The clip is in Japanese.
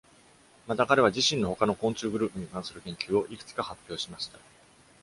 また、彼は自身の他の昆虫グループに関する研究をいくつか発表しました。